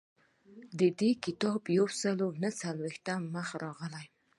د دې کتاب په یو سل نهه څلویښتم مخ راغلی.